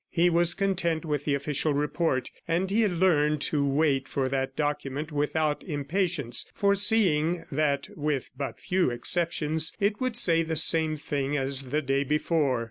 He was content with the official report, and he had learned to wait for that document without impatience, foreseeing that with but few exceptions, it would say the same thing as the day before.